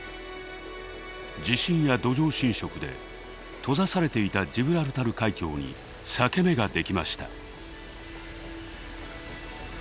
地震や土壌侵食で閉ざされていたジブラルタル海峡に裂け目ができました。